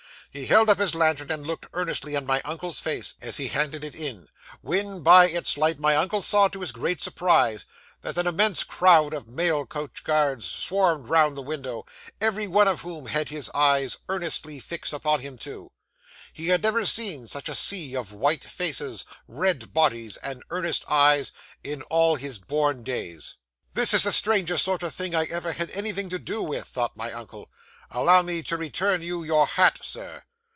He held up his lantern, and looked earnestly in my uncle's face, as he handed it in, when, by its light, my uncle saw, to his great surprise, that an immense crowd of mail coach guards swarmed round the window, every one of whom had his eyes earnestly fixed upon him too. He had never seen such a sea of white faces, red bodies, and earnest eyes, in all his born days. '"This is the strangest sort of thing I ever had anything to do with," thought my uncle; "allow me to return you your hat, sir."